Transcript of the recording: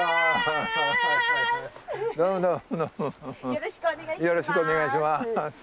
よろしくお願いします。